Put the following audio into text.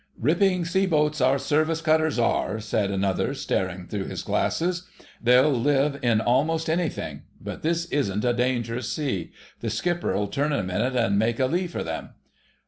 "Ripping sea boats our Service cutters are," said another, staring through his glasses. "They'll live in almost anything; but this isn't a dangerous sea. The skipper 'll turn in a minute and make a lee for them."